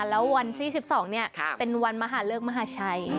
แล้ววันที่๑๒เป็นวันมหาเลิกมหาชัย